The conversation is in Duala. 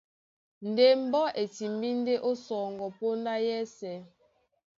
Ndé mbɔ́ e timbí ndé ó sɔŋgɔ póndá yɛ́sɛ̄.